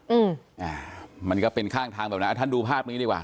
อืมอ่ามันก็เป็นข้างทางแบบนั้นอ่ะท่านดูภาพนี้ดีกว่า